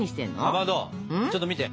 かまどちょっと見て。